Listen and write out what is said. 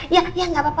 ya ya tidak apa apa